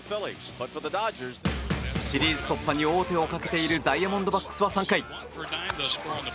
シリーズ突破に王手をかけているダイヤモンドバックスは３回。